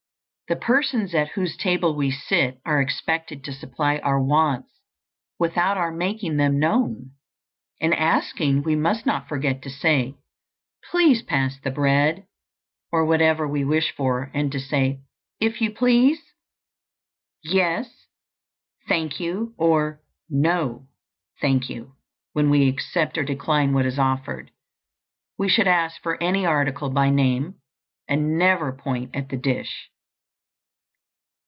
The persons at whose table we sit are expected to supply our wants without our making them known. In asking we must not forget to say, "Please pass the bread," or whatever we wish for, and to say, "If you please," "Yes, thank you," or "No, thank you," when we accept or decline what is offered. We should ask for any article by name, and never point at the dish.